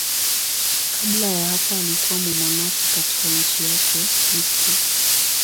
Kabla ya hapo alikuwa mmonaki katika nchi yake, Misri.